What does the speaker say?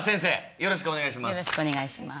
よろしくお願いします。